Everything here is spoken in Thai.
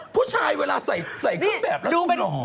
ผู้ชายเวลาใส่เครื่องแบบแล้วนุ่มหล่อ